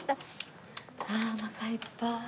ああおなかいっぱい。